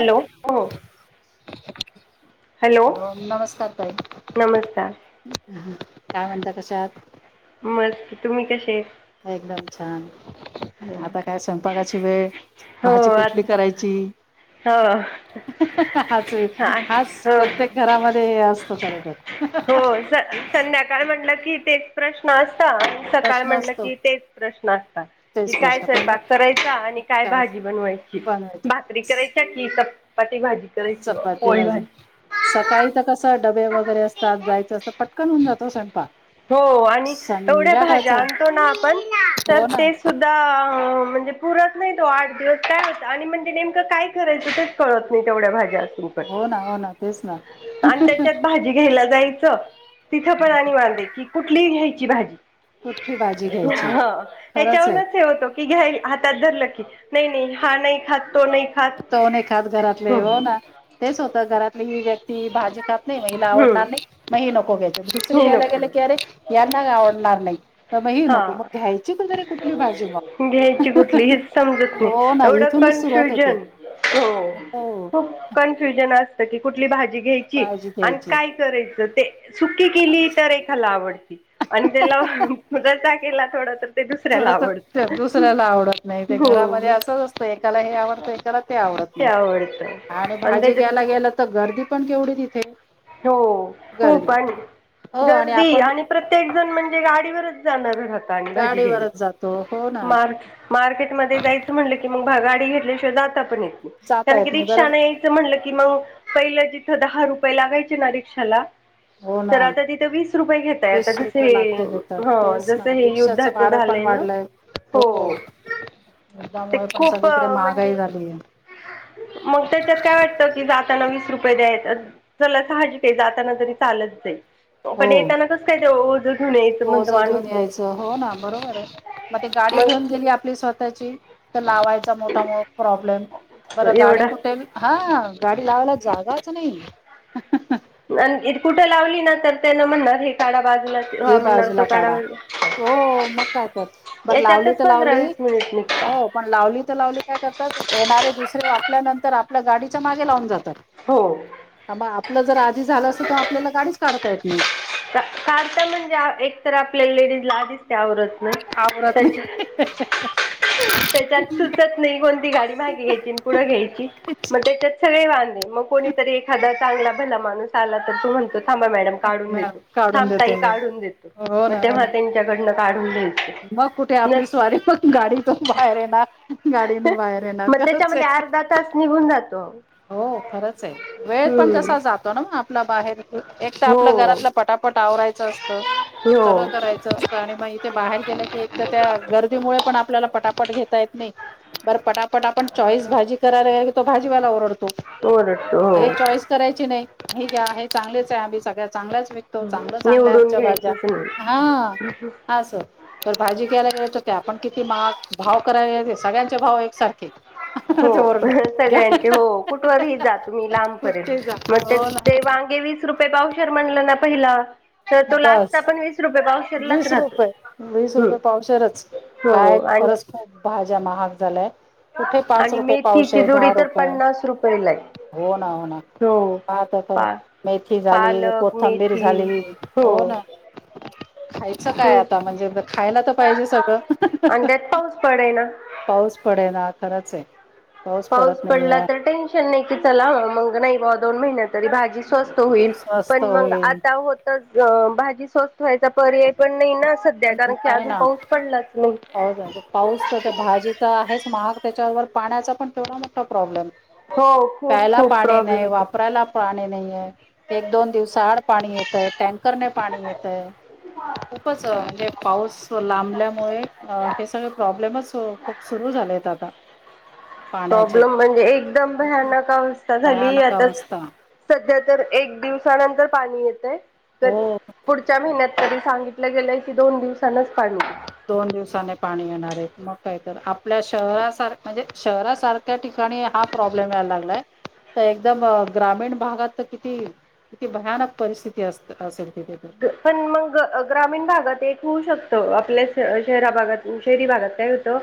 Hello हो. Hello नमस्कार ताई. नमस्कार काय म्हणता कश्या आहात. मस्त तुम्ही कसे? एकदम छान. आता काय स्वयंपाकाची वेळ, हो भाजी कुठली आता करायची [unintelligible] हासुय हास हो प्रत्येक घरामध्ये असतो खर तर. हो स. संध्याकाळ म्हटलं कि तेच प्रश्न असता, आणि सकाळ प्रश्न म्हटलं असतो कि तेच प्रश्न असता. कि तेच काय प्रश्न पण स्वयंपाक करायचा, आणि काय भाजी बनवायची बनवायचे भाकरी कराय [unintelligible] चपाती भाजी सकाळी त कस डबे वगैरे अस तात जायचं असं पटकन होऊन जातो ओ स्वयंपा हो आणि एवढ्या भाज्या आणतो ना आपण तर हो ना ते सुद्धा म्हणजे पुरत नाही तो आठ दिवस काय होत, आणि म्हणजे नेमकं काय करायचं तेच कळत नाही तेवढ्या भाज्या असून. हो ना हो ना तेच ना आणि त्याच्यात भाजी घ्यायला जायचं तिथं पण आणि वांधे की कुठली घ्यायची भाजी. कुठली भाजी घ्यायची हं खरंच त्याच्यावून आहे हे होतो. ती घ्याईल हातात धरलं की नही नही हा नही खात, तो नही तो नही खात घरातले हो ना. तेच होतं घरातली व्यक्ती भाजी खात नही, म हीला आवडणार नही हम्म म हे नको घ्यायच दुसरी हे घेयला गेले, नको की अरे यांना आवडणार नाही. तर मग ही हा नको मग घ्यायची तरी कुठली भाजी मग घ्यायची कुठली हिच समजत हो ना एवढं इथूनच सुरुवात होते कन्फ्युजन. हो हो खूप कन्फ्युजन असत, की कुठली भाजी घ्याय यची काळजी न घ्यायची काय करायचं ते सुकी केली तर एखाला आवडती. आणि तेला रसा केला थोडा तर ते दुसऱ्याला आवड त दुसऱ्याला आवडत नाही ते घरामध्ये असंच असतं एकाला हे आवडतं, एकाला ते आवडत नाही. आणि भाजी घ्यायला गेलं तर गर्दी पण केवढी तिथे. हो खूप गर्दी आणि हो गर्दी आपण आणि प्रत्येक जण म्हणजे गाडीवरच जाणार राहंत आणि भाजी घ्यायला गाडीवरच जातो हो ना मार मार्केटमध्ये जायचं म्हणलं की मग गाडी घेतल्याशिवाय जाता पण येत नाही जाता कारण की येत रिक्षा बरं नाही. त म्हनलं की मंग पहिलं जिथं दहा रुपये लागायचे ना रिक्षाला हो ना तर आता तिथं वीस रुपये घेताय, आता वीस जस रुपये हे हं जस हे युद्धा भाड पण वाढलंय. हो. ते युद्धमुळे पण खूप सगळीकडे म्हणजे महागाई झाली आहे. मग त्याच्यात काय वाटत कि जाताना वीस रुपये द्यायच चला साहजिक ये. जाताना तरी चाल पण येताना कस काय ते ओझ हो ज घेऊन यायचं हो ना बरोबर आहे मग ते गाडी घेऊन मग गेली आपली स्वत त्याची तर लावायचा मोठा मोठ प्रॉब्लेम बर गाडी एवढं कुठेल हा गाडी लावायला जागाच नाही. इ कुठे लावली ना तर त्याना म्हणणार हे काडा बाजूला ए हा म्हणणार तो बाजूला काढा बाजूला हो मग काय तर बरं लावली याच्यातच तर पंधरा लावली वीस मिनिट निघता हो पण लावली तर लावली काय करतात येणारे दुसरे आपल्यानंतर आपल्या गाडीच्या मागे लावून जातात. हो. ह आपलं जर आधी झालं असं तर आपल्याला गाडीच काढता येत नाही. कारता म्हणजे एक तर आपल्या लेडीज लादीच ते आवरत ना आवरत त्याच्या नाही [unintelligible] त्याच्यात सुचत नाही कोणती गाडी मागी घ्यायची पुढं घ्यायची मग त्याच्यात सगळे वांधे मग कोणीतरी एखादा चांगला भला माणूस आला तर तो म्हणतो थांबा मॅडम काढून मॅम देतो. काढून देतो थांबताई मी काढून देतो. हो मग ना हो तेव्हा ना त्यांच्याकडनं काढून द्यायच मग कुठे आपली नस मग त्याच्यामध्ये [unintelligible] अर्धा तास निघून जातो. हो खरंच आहे. वेळ पण हम्म जसा जातो ना मग आपला बाहेर एक तर हो आपलं घरातलं पटापट आवरायचं असतं हो सगळं करायचं आणि मग इथे बाहेर गेलं की एक तर त्या गर्दीमुळे पण आपल्याला पटापट घेता येत नाही. बरं पटापट आपण चॉईस भाजी करायला क तो भाजीवाला ओरडतो ओरडतो हो. कराय नाही हे आहे चांगलेच आहे आमी सगळ्या चांगच व तो चांगलंच आणलाय निवडून आमच्या भाज्या घ्यायचंच नाही हा. अस तर भाजी घ्यायला गेल तर आपण किती महाग. भाव करायला सगळ्यांचे भाव एकसारखे. हो ते ओरडतात घ्या सगळ्यांचे हो कुठवरही जा तुम्ही कुठे जा लांबपर्यंत मग हो ना ते वांगे वीस रुपये पावशर म्हणलं ना पहिला तर तो लास्ता बस आपण वीस रुपये पावशरलाच वीस राहतो. रुपये वीस हम्म्म रुपये पावशेरच काय हो आणि खरंच भाज्या महाग झालाय कुठे पाच आणि रुपय मेथीची पावशर, जुडी दहा तर रुपय पन्नास रुपयेला आहे हो ना, हो ना, हो पाता ख पा मेथी झाली, पालक कोथंबीर मेथी झाली हो ना. खायचं काय आता म्हणजे खायला तर पाहिजे आणि सगळं त्यात पाऊस पडेना. पाऊस पडे ना खरंच आहे. पाऊस पडत पडला नाहीये तर टेन्श चला म नाही दोन महिन तरी भाजी स्वस्त होईल. पण स्वस्त मग होईल आता भाजी स्वस्त व्हायचा पर्याय पण नाही ना त्या कारण की नाही अजून ना पाहस पडलाच म पाऊस पाऊस तर ते भाजी आहेच महाग त्याच्यावर पाण्याचा पण तेवढा मोठा प्रॉब्लेम हो खूप प्यायला खूप पाणी प्रॉब्लेम नाही, येतो. वापरायला पाणी नाहीय. एक दोन दिवसाआड पाणी येतय टँकर न पाणी येत आहे. [unintelligible] म्हणजे पाऊस लांबल्यामुळे हे सगळे प्रॉब्लेमच खूप सुरू झाले आहेत आता. [inaudible] पाण्याचे प्रॉब्लेम म्हणजे एकदम भयानक अवस्था झाली भयानक आता अवस्था सध्या तर एक दिवसानंतर पाणी येतय. तर हो पुढच्या महिन्यात तरी सांगितलं गेलंय की दोन दिवसनच पाणी दोन दिवसाने पाणी येणार आहे मग काय तर आपल्या शहरासारख म्हणजे शहरासारख त्या ठिकाणी हा प्रॉब्लेम यायला लागलाय तर एकदम ग्रामीण भागात तर किती किती भयानक परिस्थिती अस-असेल तिथे. पण मग. ग-ग्रामीण भागात एक होऊ शकत आपल्या शहरा भागात शहरी भागात काय होतं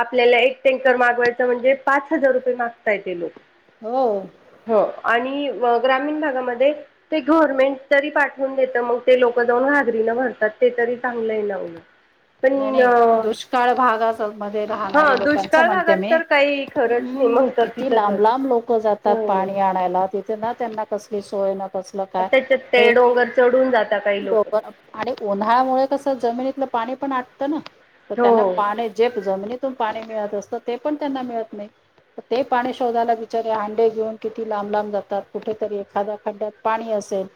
आपल्याला एक टेंकर मागवायच म्हणजे पाच हजार रुपये मागतायेत ते लोक. हो. हो आणि ग्रामीण भागामध्ये ते गव्हर्मेंट तरी पाठवून देत. तर मग ते लोक जाऊन घागरीन भरतात ते तरी चांगलं हाय ना उलट. नाही नाही दुष्काळ भागा मध्ये हा राहणार्या लोकांचं दुष्काळ म्हणते भागात मी तर काही खरंच नाही हम्म मग तर किती तिथंच लांब लांब लोक जातात तात हो पाणी आणायला तिथे ना त्यांना कसली सोय न कसलं काय त्याच्यात हे ते डोंगर चढून जाता काही लोक दोघ आणि उन्हाळ्यामुळे कसं जमिनीतलं पाणी पण आटतं ना तर त्यांना हो पाणी जेप जमिनीत तुन पाणी मिळत असतं ते पण त्यांना मिळत नाही. ते पाणी शोधायला बिचारे हांडे घेऊन किती लांब लांब जातात कुठेतरी एखाद्या खड्ड्यात पाणी असेल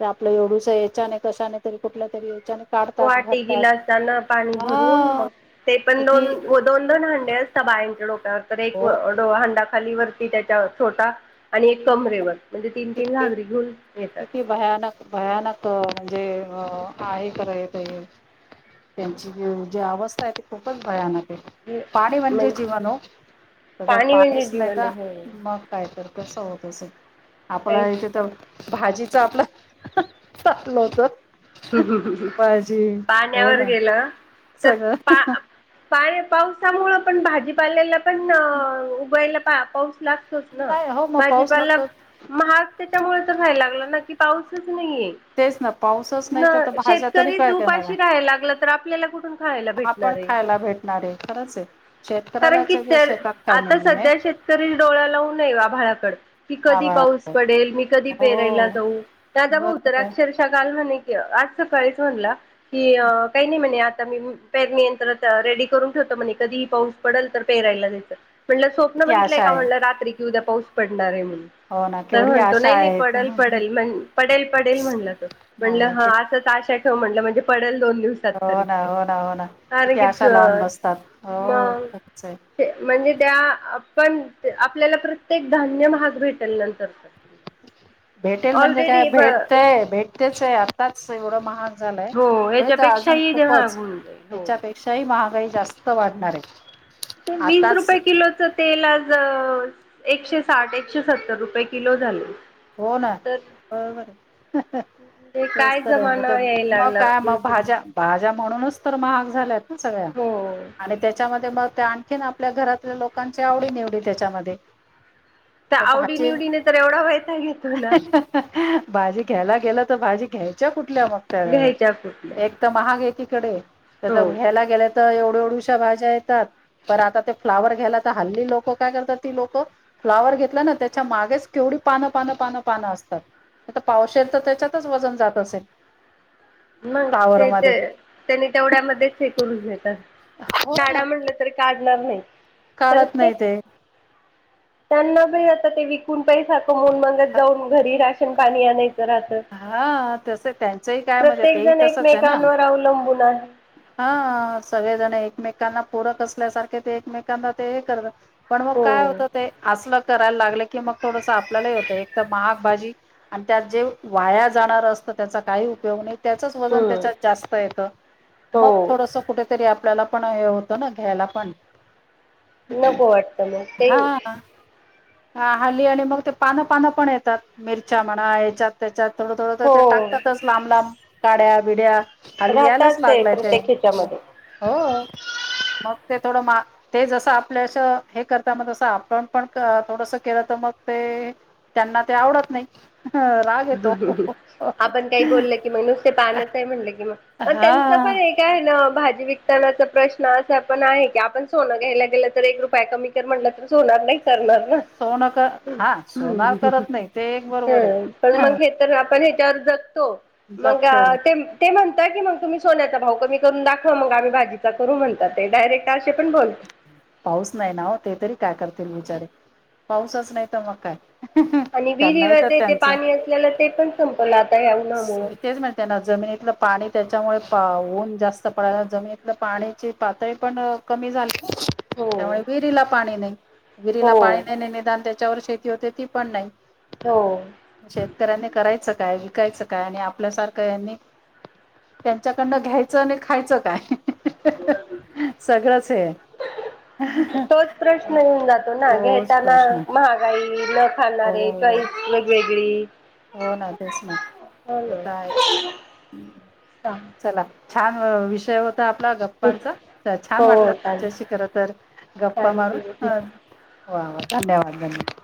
तर आपलं एवढुस याच्याने कशाने तरी कुठल्या तरी ह्याच्यान वाटी, गिलासान पाणी भरून मग हा ते पण दोन किती घोट दोन-दोन हंडे असता बायांच्या डोक्यावर तर एक हो हांडा खाली वरती त्याच्या वर छोटा आणि एक कमरेवर. म्हणजे तीन-तीन किती घागरी घेऊन येतात. किती भयानक भयानक म्हणजे आहे खर इथ ते. त्यांची जी अवस्था आहे त खूपच भयानक आहे. पाणी म्हणजे जीवन हो, तर पाणी म्हणजे पाणीच नाही जीवन तर आहे हो. मग काय तर. कस होत असेल. काही आपला इथे तर भाजीच आपलं साठलं होत. भाजी हो पाण्यावर ना सगळं पाणी पावसा मुळे पण भाजीपालेला पण उभायला पा पाऊस लागतोच ना नाही हो मग पाऊस भाजीपाला लागतो महाग त्याच्यामुळे तर व्हायला लागला ना की पाऊसच नाहीये. तेच ना पाऊसच न नाही तर भाज्या तरी शेतकरीच काय करणार उपाशी आहे. राहायला लागलं तर आपल्याला कुठून खायला आपण भेटणार आहे खायला भेटणार आहे खरंच आहे. कारण की शेतकऱ्यालाच शेतात काय आता नाहीये सध्या शेत करी डोळा लावून आहे आभाळाकड की कधी पाऊस आभाळ पडेल, मी कधी पेरायला हो जाऊ आता भाऊ तर बरोबर आहे अक्षरशः काल म्हने की आज सकाळीच म्हणला. कि काही नाही म्हणे आता मी पेरणीयंत्र रेडी करून ठेवतो म्हणे कधीही पाऊस पडल तर पेरायला जायचं म्हटलं स्वप्न किती बघितलंय आशा का आहे म्हणलं रात्री की उद्या पाऊस पडणार आहे म्हणून हो ना तर केवढी म्हणतो आशा नाही नाही आहेत. पडल पडल म्हण पडेल पडेल म्हणला तो म्हटलं हा नाही असंच आशा ठेव म्हटलं म्हणजे पडेल दोन दिवस हो ना, हो ना, हो ना किती आशा लावून बसतात हो मग खरच आहे. म्हणजे त्या पण आपल्याला प्रत्येक धान्य महाग भेटेल नंतरच. भेटेल म्हणजे काय ब भेटतय, भेटतेच आहे आताच एवढं महाग झालय हो पुढे तर अजून याच्यापेक्षाही ते महाग खूपच होऊन जाईल हो याच्यापेक्षाही महागाई जास्त वाढणार आहे. ते वीस आताच रुपये किलोच तेल आज एकशे साठ, एकशे सत्तर रुपये किलो झालय. हो ना. बरोबर आहे ते तेच काय तर आहे जमाना म यायला मग लागला काय मग भाज्या दिवसेंदिवस भाज्या म्हणूनच तर महाग झाल्यात ना सगळ्या हो आणि त्याच्यामध्ये मग त्या आणखीन आपल्या घरातल्या लोकांची आवडी-निवडी त्याच्यामध्ये तर आवडी-निवडीने तर एवढा वैताग येतो ना भाजी घ्यायला गेलं तर भाजी घ्यायच्या कुठल्या मग त्या घ्यायच्या कुठल्या वेळेला तर महाग आहे तिकडे तर हो घ्यायला गेल्या तर एवढु-एवढुशा भाज्या येतात. प आता ते फ्लावर घ्यायला तर हल्ली लोकं काय करतात ती लोकं फ्लावर घेतला ना त्याच्या मागेच केवढी पान पानं पानं पानं असतात आ पावशेर तर त्याच्यातच वजन जात असेल. मग फ्लावर तेच मध्ये त्यानी तेवढ्यामध्येच हे करून घेतात हो ना काडा म्हणलं. तरी काढणार नाही तर काढत ते नाही त्यांना पण आता ते विकून पैसा कमवून मगच जाऊन घरी राशन पाणी आणायचं राहत. हा तस त्यांचही काय म्हणजे तेही जण तसंच आहे ना. एकमेकांवर अवलंबून आहे. हा सगळेजण एकमेकांना पूरक असल्यासारखे ते एकमेकांना ते हे करतात. पण मग हो काय होतं ते असलं करायला लागलं की मग थोडस आपल्यालाही होतं एक तर महाग भाजी आणि त्यात जे वाया जाणारं असतं त्याचा काही उपयोग नाही त्याचच वजन हम्म त्याच्यात जास्त येतं. हो मग थोडस कुठेतरी आपल्याला पण हे होतं ना घ्यायला पण नको वाटतं मग ते हा. हा हल्ली आणि मग ते पानं पानं पण येतात मिरच्या म्हणा याच्यात त्याच्यात थोडं थोडं तर हो ते टाकतातच लांब लांब काड्या बिड्या राहतात. लागलाय ते हो हो मग ते थोड मा ते जसं आपल्यास हे करता मग तसं आपण पण थोडस केलं तर मग ते त्यांना ते आवडत नाही. येतो. आपण काही बोललं कि मग नुसते पानच आहे म्हटलं कि मग मग हा त्यांच पण ते काय आहे ना भाजी विकतानाचा प्रश्न असा पण आहे की आपण सोनं घ्यायला गेलं तर रुपया कमी तर म्हणलं तर सोणार नाही करणार ना. सोनं हा सोन करत नाही ते एक बरोबर आहे. ह पण ह मग हे तर आपण ह्याच्यावर जगतो मग जगतो ते म्हणत की मग तुम्ही सोन्याचा भाव कमी करून दाखव मग आम्ही भाजीचा करू म्हणतात ते डायरेक्ट असे पण बोल पाऊस नाही ना हो ते तरी काय करतील बिचारे पाऊसच नाही तर मग काय? आणि त्यांनाही तर विहिरीवरथे त्यांचं पाणी असलेला ते पण संपलं आता याऊ ना म्हणून मी तेच मा त्यां ना जमिनीतलं पाणी त्याच्यामुळे ऊन जास्त पडयला जमितलं पाण्याची पातळी पण क झा हो त्यामुळे विरीला पाणी नाही विरीला हो पाणी नाही निदान त्याच्यावर शती होते ती पण नाही. हो. शेतकऱ्यांनी करायचं काय विकायचं काय आणि आपल्यासारखं यांनी त्यांच्याकडनं घ्यायचं आणि खायचं काय? सगळंच हे. तोच प्रश्न येऊन जातो ना तोच घेताना प्रश्न महागाई न खाणारे हो चवाईस वेगवेगळी हो ना तेच मग हो हे तर आहेच. ना चला छान विषय होता आपला गप्. गप्पांच छान हो चालेल वाटलंशी खर तर गप्पा थँक्यू मारून वा धन्यवाद धन्यवाद.